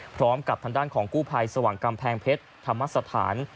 พร้อมกับทางด้านของกู้ภัยสว่างกำแพงเพชรธรรมสถาน